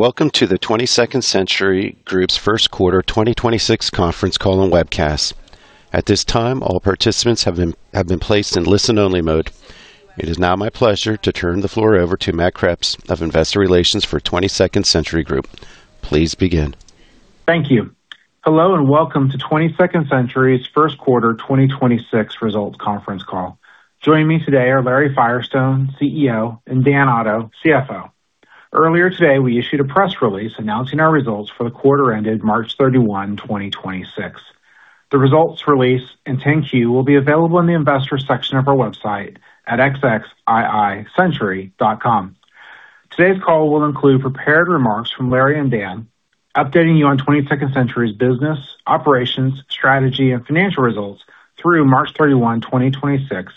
Welcome to the 22nd Century Group's first quarter 2026 conference call and webcast. At this time, all participants have been placed in listen-only mode. It is now my pleasure to turn the floor over to Matt Kreps of Investor Relations for 22nd Century Group. Please begin. Thank you. Welcome to 22nd Century's first quarter 2026 results conference call. Joining me today are Larry Firestone, CEO, and Dan Otto, CFO. Earlier today, we issued a press release announcing our results for the quarter ended March 31, 2026. The results release and 10-Q will be available in the investor section of our website at xxiicentury.com. Today's call will include prepared remarks from Larry and Dan, updating you on 22nd Century's business, operations, strategy, and financial results through March 31, 2026,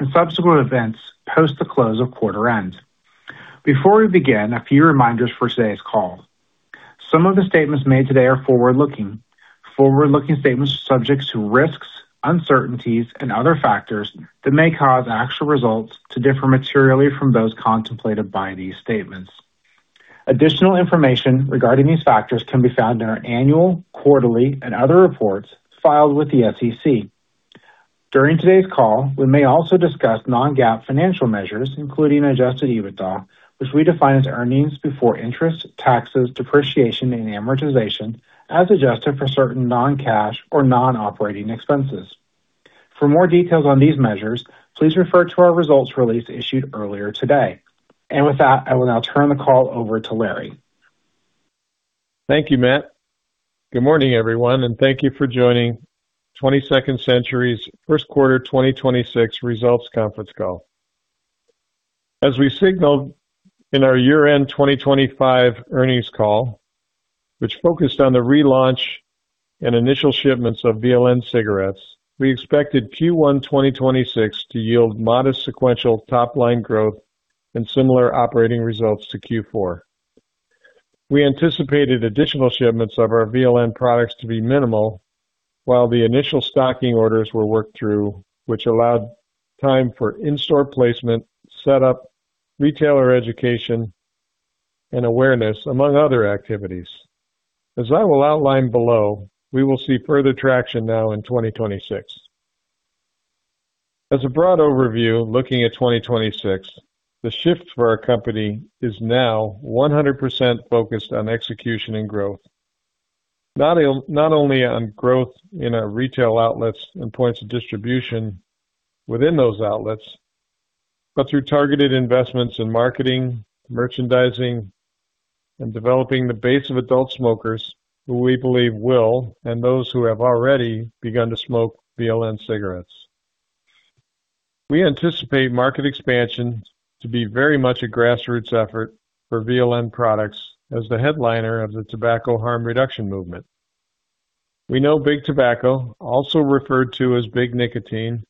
and subsequent events post the close of quarter end. Before we begin, a few reminders for today's call. Some of the statements made today are forward-looking. Forward-looking statements are subject to risks, uncertainties, and other factors that may cause actual results to differ materially from those contemplated by these statements. Additional information regarding these factors can be found in our annual, quarterly, and other reports filed with the SEC. During today's call, we may also discuss non-GAAP financial measures, including adjusted EBITDA, which we define as earnings before interest, taxes, depreciation, and amortization, as adjusted for certain non-cash or non-operating expenses. For more details on these measures, please refer to our results release issued earlier today. With that, I will now turn the call over to Larry. Thank you, Matt. Good morning, everyone, and thank you for joining 22nd Century's first quarter 2026 results conference call. As we signaled in our year-end 2025 earnings call, which focused on the relaunch and initial shipments of VLN cigarettes, we expected Q1 2026 to yield modest sequential top-line growth and similar operating results to Q4. We anticipated additional shipments of our VLN products to be minimal while the initial stocking orders were worked through, which allowed time for in-store placement, setup, retailer education, and awareness, among other activities. As I will outline below, we will see further traction now in 2026. As a broad overview, looking at 2026, the shift for our company is now 100% focused on execution and growth. Not only on growth in our retail outlets and points of distribution within those outlets, but through targeted investments in marketing, merchandising, and developing the base of adult smokers who we believe will and those who have already begun to smoke VLN cigarettes. We anticipate market expansion to be very much a grassroots effort for VLN products as the headliner of the tobacco harm reduction movement. We know big tobacco, also referred to as big nicotine,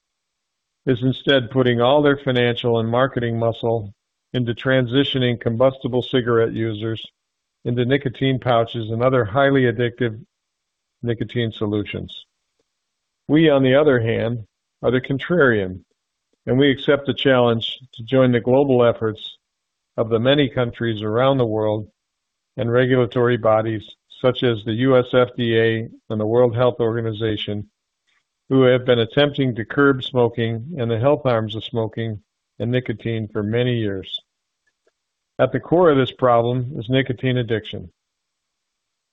is instead putting all their financial and marketing muscle into transitioning combustible cigarette users into nicotine pouches and other highly addictive nicotine solutions. We, on the other hand, are the contrarian and we accept the challenge to join the global efforts of the many countries around the world and regulatory bodies such as the U.S. FDA and the World Health Organization, who have been attempting to curb smoking and the health harms of smoking and nicotine for many years. At the core of this problem is nicotine addiction.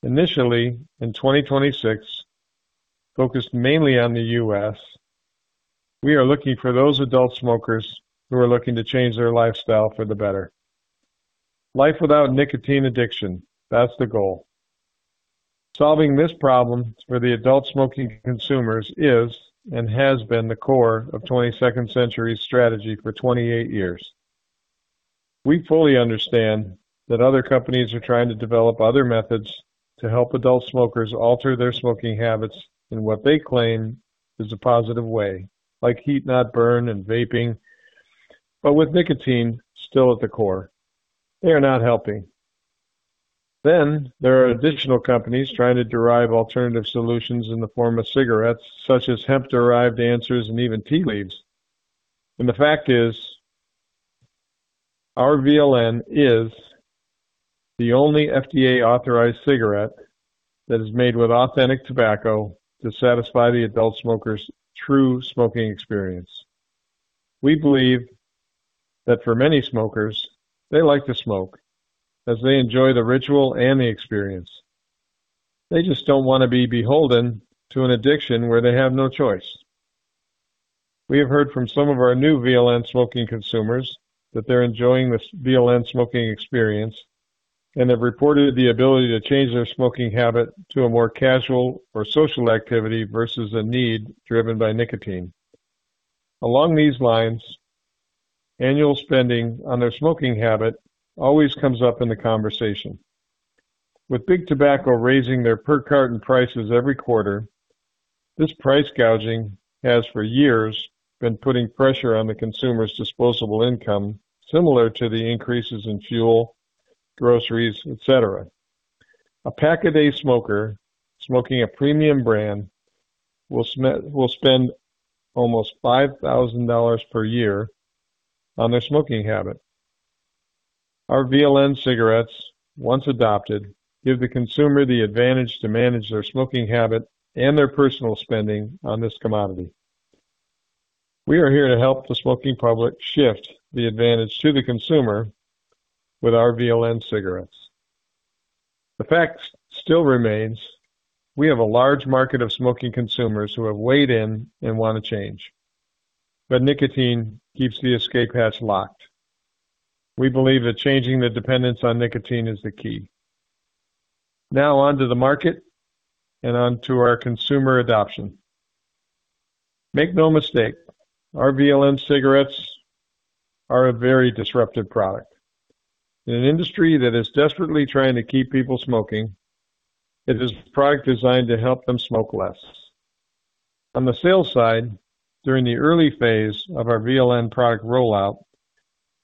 Initially, in 2026, focused mainly on the U.S., we are looking for those adult smokers who are looking to change their lifestyle for the better. Life without nicotine addiction, that's the goal. Solving this problem for the adult smoking consumers is and has been the core of 22nd Century Group's strategy for 28 years. We fully understand that other companies are trying to develop other methods to help adult smokers alter their smoking habits in what they claim is a positive way, like heat-not-burn and vaping, but with nicotine still at the core. They are not helping. There are additional companies trying to derive alternative solutions in the form of cigarettes, such as hemp-derived answers and even tea leaves. The fact is, our VLN is the only FDA-authorized cigarette that is made with authentic tobacco to satisfy the adult smoker's true smoking experience. We believe that for many smokers, they like to smoke as they enjoy the ritual and the experience. They just don't want to be beholden to an addiction where they have no choice. We have heard from some of our new VLN smoking consumers that they're enjoying the VLN smoking experience and have reported the ability to change their smoking habit to a more casual or social activity, versus a need driven by nicotine. Along these lines, annual spending on their smoking habit always comes up in the conversation. With big tobacco raising their per carton prices every quarter, this price gouging has for years been putting pressure on the consumer's disposable income, similar to the increases in fuel, groceries, et cetera. A pack-a-day smoker smoking a premium brand will spend almost $5,000 per year on their smoking habit. Our VLN cigarettes, once adopted, give the consumer the advantage to manage their smoking habit and their personal spending on this commodity. We are here to help the smoking public shift the advantage to the consumer with our VLN cigarettes. The fact still remains, we have a large market of smoking consumers who have weighed in and wanna change, but nicotine keeps the escape hatch locked. We believe that changing the dependence on nicotine is the key. On to the market and on to our consumer adoption. Make no mistake, our VLN cigarettes are a very disruptive product. In an industry that is desperately trying to keep people smoking, it is a product designed to help them smoke less. On the sales side, during the early phase of our VLN product rollout,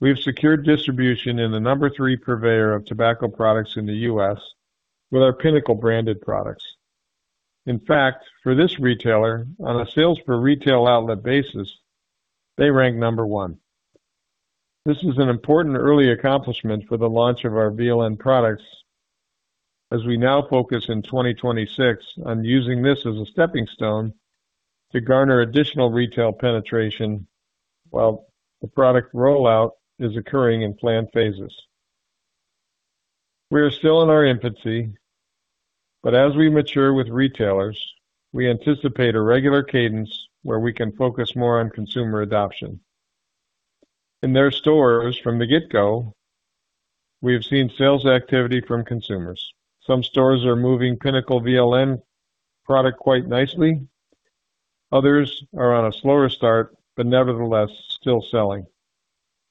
we've secured distribution in the number three purveyor of tobacco products in the U.S. with our Pinnacle-branded products. In fact, for this retailer, on a sales per retail outlet basis, they rank number one. This is an important early accomplishment for the launch of our VLN products, as we now focus in 2026 on using this as a stepping stone to garner additional retail penetration while the product rollout is occurring in planned phases. We are still in our infancy, as we mature with retailers, we anticipate a regular cadence where we can focus more on consumer adoption. In their stores from the get-go, we have seen sales activity from consumers. Some stores are moving Pinnacle VLN product quite nicely. Others are on a slower start, nevertheless, still selling.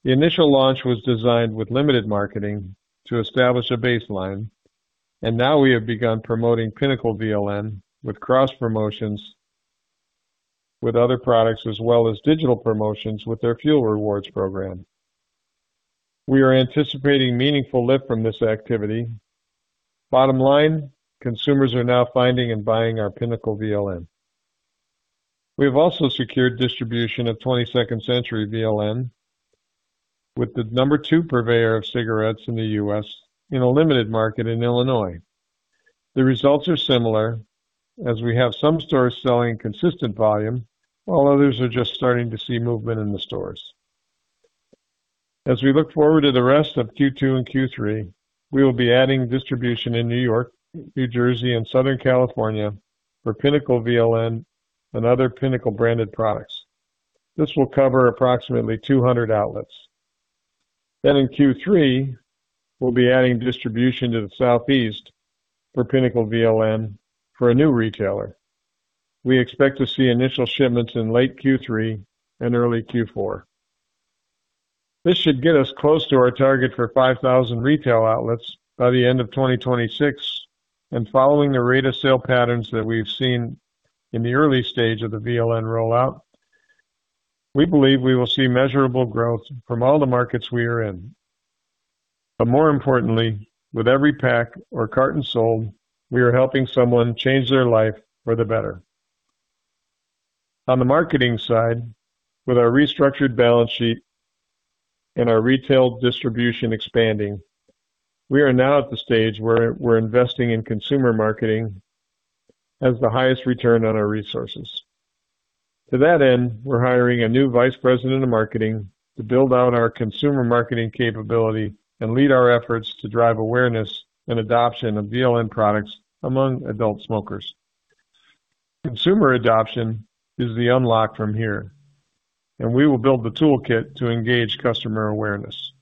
The initial launch was designed with limited marketing to establish a baseline, now we have begun promoting Pinnacle VLN with cross-promotions with other products, as well as digital promotions with their fuel rewards program. We are anticipating meaningful lift from this activity. Bottom line, consumers are now finding and buying our Pinnacle VLN. We have also secured distribution of 22nd Century VLN with the number two purveyor of cigarettes in the U.S. in a limited market in Illinois. The results are similar, as we have some stores selling consistent volume, while others are just starting to see movement in the stores. As we look forward to the rest of Q2 and Q3, we will be adding distribution in New York, New Jersey, and Southern California for Pinnacle VLN and other Pinnacle-branded products. This will cover approximately 200 outlets. In Q3, we'll be adding distribution to the Southeast for Pinnacle VLN for a new retailer. We expect to see initial shipments in late Q3 and early Q4. This should get us close to our target for 5,000 retail outlets by the end of 2026. Following the rate of sale patterns that we've seen in the early stage of the VLN rollout, we believe we will see measurable growth from all the markets we are in. More importantly, with every pack or carton sold, we are helping someone change their life for the better. On the marketing side, with our restructured balance sheet and our retail distribution expanding, we are now at the stage where we're investing in consumer marketing as the highest return on our resources. To that end, we're hiring a new vice president of marketing to build out our consumer marketing capability and lead our efforts to drive awareness and adoption of VLN products among adult smokers. Consumer adoption is the unlock from here, and we will build the toolkit to engage customer awareness.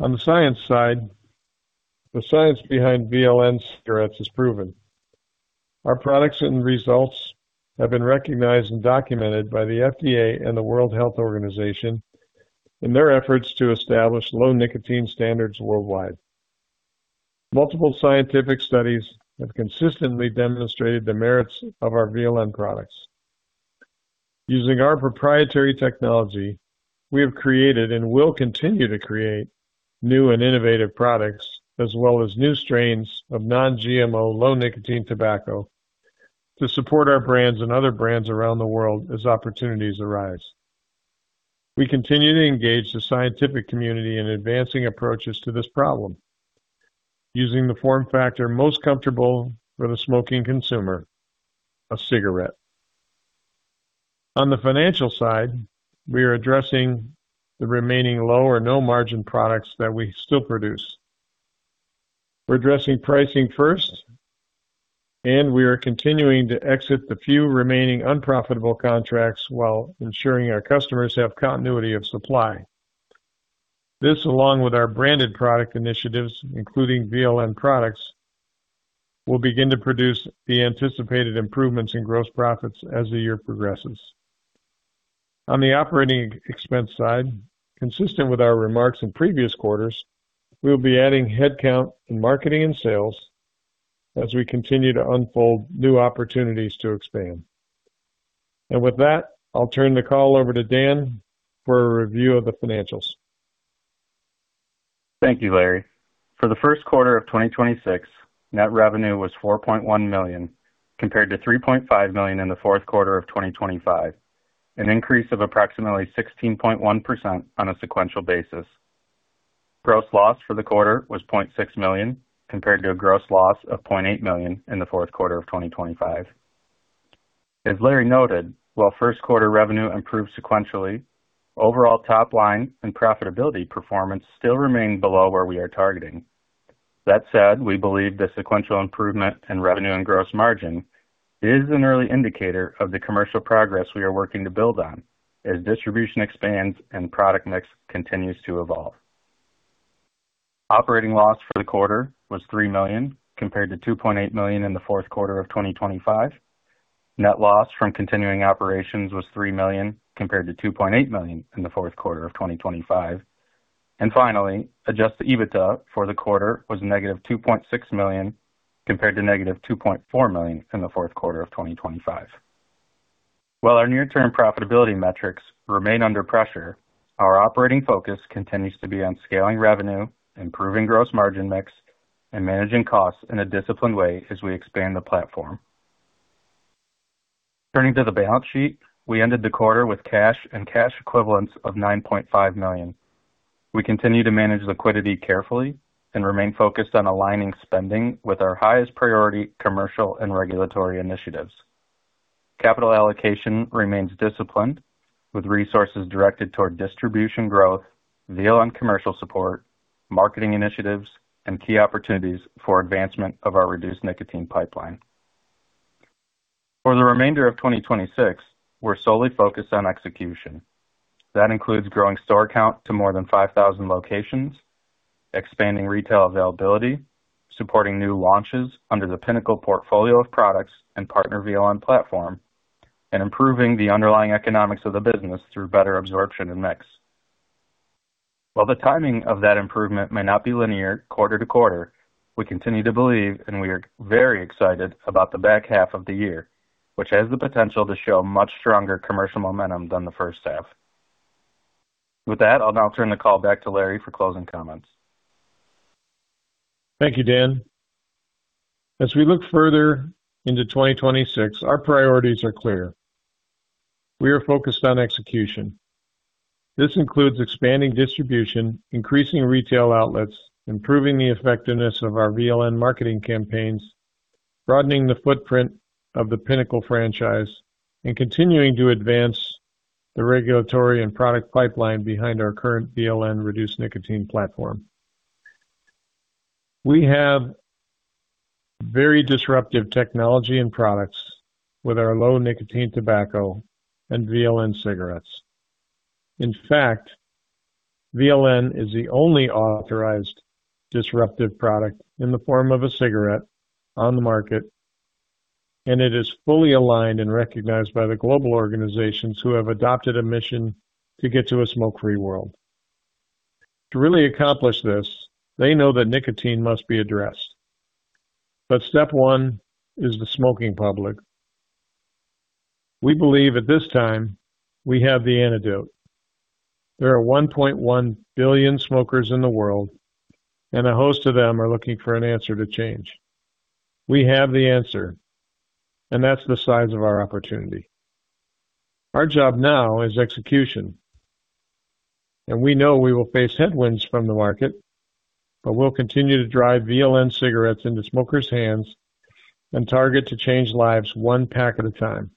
On the science side, the science behind VLN cigarettes is proven. Our products and results have been recognized and documented by the FDA and the World Health Organization in their efforts to establish low-nicotine standards worldwide. Multiple scientific studies have consistently demonstrated the merits of our VLN products. Using our proprietary technology, we have created and will continue to create new and innovative products as well as new strains of non-GMO low-nicotine tobacco to support our brands and other brands around the world as opportunities arise. We continue to engage the scientific community in advancing approaches to this problem using the form factor most comfortable for the smoking consumer, a cigarette. On the financial side, we are addressing the remaining low or no-margin products that we still produce. We're addressing pricing first, and we are continuing to exit the few remaining unprofitable contracts while ensuring our customers have continuity of supply. This, along with our branded product initiatives, including VLN products, will begin to produce the anticipated improvements in gross profits as the year progresses. On the operating expense side, consistent with our remarks in previous quarters, we will be adding headcount in marketing and sales as we continue to unfold new opportunities to expand. With that, I'll turn the call over to Dan for a review of the financials. Thank you, Larry. For the first quarter of 2026, net revenue was $4.1 million, compared to $3.5 million in the fourth quarter of 2025, an increase of approximately 16.1% on a sequential basis. Gross loss for the quarter was $0.6 million, compared to a gross loss of $0.8 million in the fourth quarter of 2025. As Larry noted, while first-quarter revenue improved sequentially, overall top-line and profitability performance still remain below where we are targeting. That said, we believe the sequential improvement in revenue and gross margin is an early indicator of the commercial progress we are working to build on as distribution expands and product mix continues to evolve. Operating loss for the quarter was $3 million, compared to $2.8 million in the fourth quarter of 2025. Net loss from continuing operations was $3 million, compared to $2.8 million in the fourth quarter of 2025. Finally, adjusted EBITDA for the quarter was negative $2.6 million, compared to negative $2.4 million in the fourth quarter of 2025. While our near-term profitability metrics remain under pressure, our operating focus continues to be on scaling revenue, improving gross margin mix, and managing costs in a disciplined way as we expand the platform. Turning to the balance sheet, we ended the quarter with cash and cash equivalents of $9.5 million. We continue to manage liquidity carefully and remain focused on aligning spending with our highest priority commercial and regulatory initiatives. Capital allocation remains disciplined, with resources directed toward distribution growth, VLN commercial support, marketing initiatives, and key opportunities for advancement of our reduced nicotine pipeline. For the remainder of 2026, we're solely focused on execution. That includes growing store count to more than 5,000 locations, expanding retail availability, supporting new launches under the Pinnacle portfolio of products and partner VLN platform, and improving the underlying economics of the business through better absorption and mix. While the timing of that improvement may not be linear quarter to quarter, we continue to believe, and we are very excited about the back half of the year, which has the potential to show much stronger commercial momentum than the first half. With that, I'll now turn the call back to Larry for closing comments. Thank you, Dan. As we look further into 2026, our priorities are clear. We are focused on execution. This includes expanding distribution, increasing retail outlets, improving the effectiveness of our VLN marketing campaigns, broadening the footprint of the Pinnacle franchise, and continuing to advance the regulatory and product pipeline behind our current VLN reduced nicotine platform. We have very disruptive technology and products with our low-nicotine tobacco and VLN cigarettes. In fact, VLN is the only authorized disruptive product in the form of a cigarette on the market, and it is fully aligned and recognized by the global organizations who have adopted a mission to get to a smoke-free world. To really accomplish this, they know that nicotine must be addressed, but step one is the smoking public. We believe at this time, we have the antidote. There are 1.1 billion smokers in the world, and a host of them are looking for an answer to change. We have the answer, and that's the size of our opportunity. Our job now is execution, and we know we will face headwinds from the market, but we'll continue to drive VLN cigarettes into smokers' hands and target to change lives one pack at a time.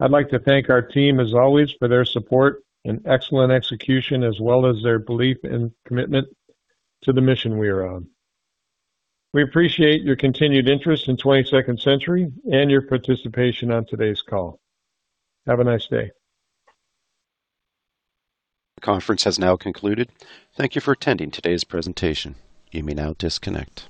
I'd like to thank our team, as always, for their support and excellent execution, as well as their belief and commitment to the mission we are on. We appreciate your continued interest in 22nd Century and your participation on today's call. Have a nice day. Conference has now concluded. Thank you for attending today's presentation. You may now disconnect.